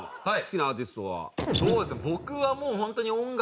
そうですね。